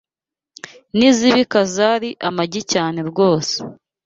N'izibika zari amagi cyane rwose